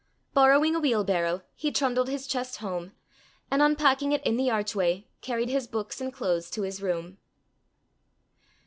Borrowing a wheelbarrow, he trundled his chest home, and unpacking it in the archway, carried his books and clothes to his room.